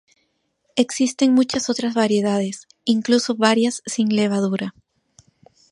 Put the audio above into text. Existen muchas otras variedades, incluso varias sin levadura.